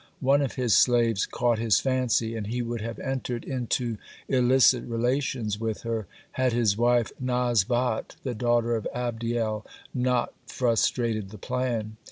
One of his slaves caught his fancy, and he would have entered into illicit relations with her, had his wife, Nazbat, the daughter of Adiel, not frustrated the plan.